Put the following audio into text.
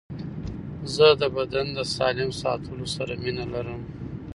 زه د بدن د سالم ساتلو سره مینه لرم.